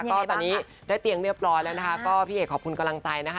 ก็ตอนนี้ได้เตียงเรียบร้อยแล้วนะคะก็พี่เอกขอบคุณกำลังใจนะคะ